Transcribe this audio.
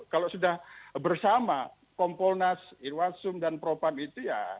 kalau sudah bersama kompolnas irwasum dan propam itu ya